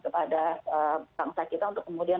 kepada bangsa kita untuk kemudian